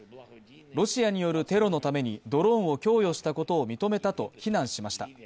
ロシアによるテロのためにドローンを供与したことを認めたと非難しました。